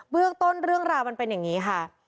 เรื่องต้นเรื่องราวมันเป็นอย่างนี้ค่ะ